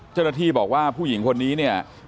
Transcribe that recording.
เจ้าหน้าที่บอกว่าผู้หญิงคนนี้เนี่ย